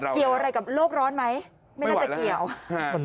เกี่ยวอะไรกับโลกร้อนไหมไม่น่าจะเกี่ยว